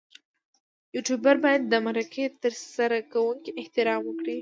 یوټوبر باید د مرکه ترسره کوونکي احترام وکړي.